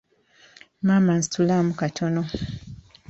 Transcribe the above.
Maama nsitulaamu katono.